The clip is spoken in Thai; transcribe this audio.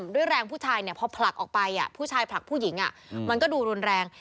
ด้วยแรงผู้ชายพอผลักออกไปผู้ชายผลักผู้หญิงมันก็ดูรุนแรง